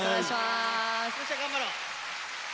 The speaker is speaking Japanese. よっしゃ頑張ろう。